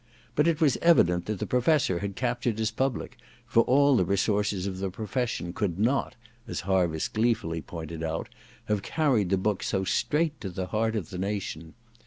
But it was evident that the Professor had captured his public, for all the resources • of the profession could not, as Harviss gleefully pointed out, have carried the book so straight to the heart of the nation.